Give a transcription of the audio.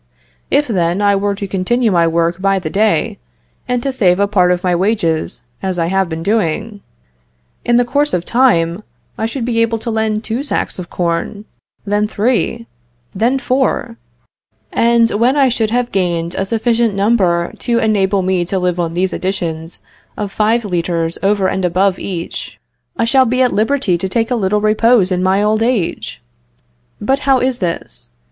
If, then, I were to continue to work by the day, and to save a part of my wages, as I have been doing, in the course of time I should be able to lend two sacks of corn; then three; then four; and when I should have gained a sufficient number to enable me to live on these additions of five litres over and above each, I shall be at liberty to take a little repose in my old age. But how is this?